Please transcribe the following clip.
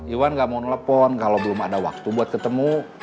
iwan gak mau nelpon kalau belum ada waktu buat ketemu